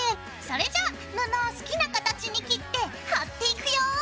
それじゃ布を好きな形に切って貼っていくよ！